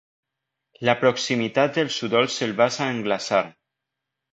La proximitat dels udols el va sangglaçar.